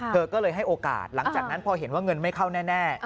เธอก็เลยให้โอกาสหลังจากนั้นพอเห็นว่าเงินไม่เข้าแน่